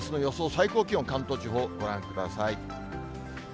最高気温、関東地方、ご覧ください。